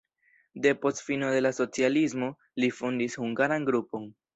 Depost fino de la socialismo li fondis hungaran grupon.